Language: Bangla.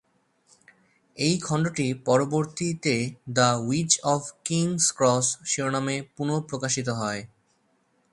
এই খণ্ডটি পরবর্তীতে "the witch of King's Cross" শিরোনামে পুনঃপ্রকাশিত হয়।